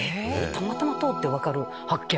たまたま通って分かる発見。